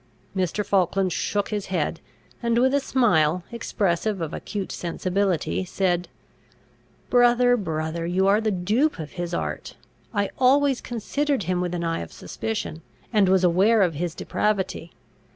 Mr. Falkland shook his head, and with a smile, expressive of acute sensibility, said, "Brother, brother, you are the dupe of his art. I always considered him with an eye of suspicion, and was aware of his depravity.